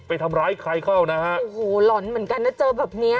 ไปทำร้ายใครเข้านะฮะโอ้โหหล่อนเหมือนกันนะเจอแบบเนี้ย